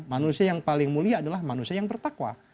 manusia yang paling mulia adalah manusia yang bertakwa